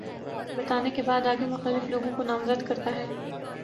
بتانے کے بعد آگے مختلف لوگوں کو نامزد کرتا ہے